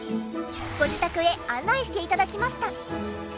ご自宅へ案内して頂きました。